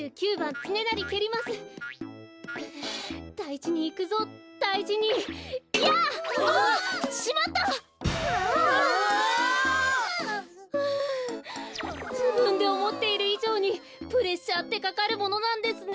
ふじぶんでおもっているいじょうにプレッシャーってかかるものなんですね。